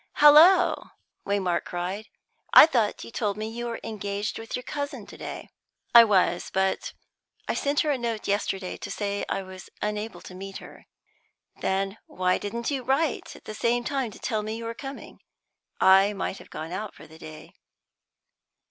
"Halloa!" Waymark cried. "I thought you told me you were engaged with your cousin to day." "I was, but I sent her a note yesterday to say I was unable to meet her." "Then why didn't you write at the same time and tell me you were coming? I might have gone out for the day."